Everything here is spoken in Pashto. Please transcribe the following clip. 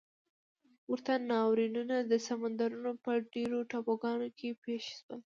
ورته ناورینونه د سمندرونو په ډېرو ټاپوګانو کې پېښ شول.